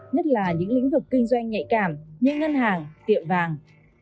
nhất là những lĩnh vực kinh doanh nhạy cảm như ngân hàng tiệm vàng